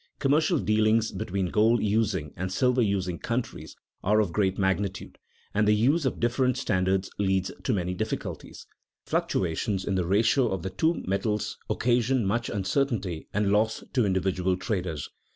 _ Commercial dealings between gold using and silver using countries are of great magnitude, and the use of different standards leads to many difficulties. Fluctuations in the ratio of the two metals occasion much uncertainty and loss to individual traders.